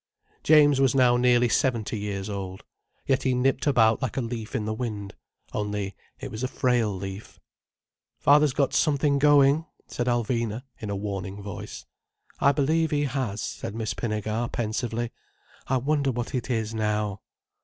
James was now nearly seventy years old. Yet he nipped about like a leaf in the wind. Only, it was a frail leaf. "Father's got something going," said Alvina, in a warning voice. "I believe he has," said Miss Pinnegar pensively. "I wonder what it is, now."